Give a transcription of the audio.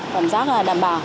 cảm giác là đảm bảo